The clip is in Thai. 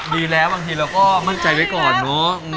ดีแล้วบางทีเราก็มั่นใจไว้ก่อนเนอะ